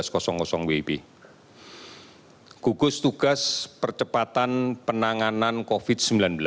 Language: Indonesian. gugus tugas percepatan penanganan covid sembilan belas